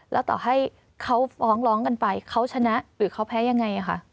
แล้วต่อให้เขาฟ้องร้องกันไปเขาชนะหรือเขาแพ้ยังไงค่ะ